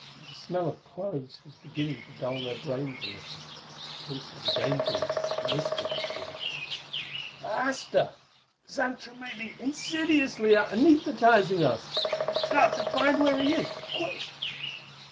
The smell of cloves was beginning to dull their brains a little. Clee saw the danger in this, and whispered to Jim: "Faster! Xantra may be insidiously anaesthetizing us! We've got to find where he is quick!"